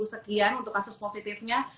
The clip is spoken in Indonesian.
sekian untuk kasus positifnya